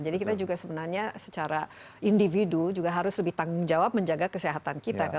jadi kita juga sebenarnya secara individu juga harus lebih tanggung jawab menjaga kesehatan kita